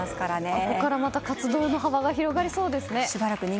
ここからまた活動の幅が広がりそうですね。